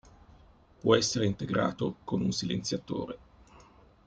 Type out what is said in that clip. Può essere integrato con un silenziatore.